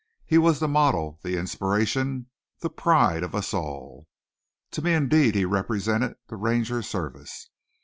He was the model, the inspiration, the pride of all of us. To me, indeed, he represented the Ranger Service.